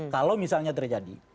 kalau misalnya terjadi